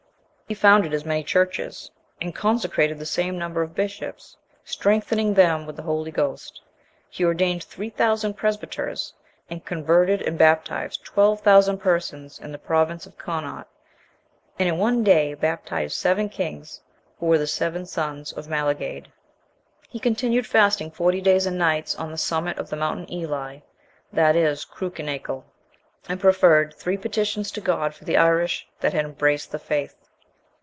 He founded as many churches, and consecrated the same number of bishops, strengthening them with the Holy Ghost. He ordained three thousand presbyters; and converted and baptized twelve thousand persons in the province of Connaught. And, in one day baptized seven kings, who were the seven sons of Amalgaid.(1) He continued fasting forty days and nights, on the summit of the mountain Eli, that is Cruachan Aichle;(2) and preferred three petitions to God for the Irish, that had embraced the faith.